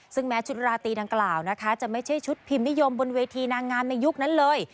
ซึ่งแม้ชุดราตรีดังกล่าวนะคะจะไม่ใช่ชุดพิมพ์นิยมบนเวทีนางงามในยุคนั้นเลย